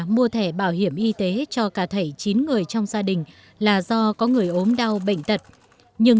mua thẻ bảo hiểm y tế cho cả thầy chín người trong gia đình là do có người ốm đau bệnh tật nhưng